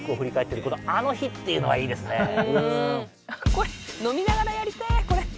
これ飲みながらやりてこれ。